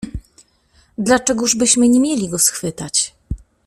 "Dlaczegóż byśmy nie mieli go schwytać."